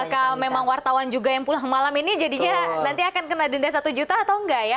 apakah memang wartawan juga yang pulang malam ini jadinya nanti akan kena denda satu juta atau enggak ya